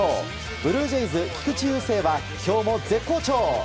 ブルージェイズ、菊池雄星は今日も絶好調。